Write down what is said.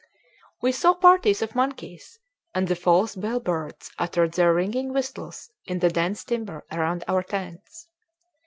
We saw parties of monkeys; and the false bellbirds uttered their ringing whistles in the dense timber around our tents.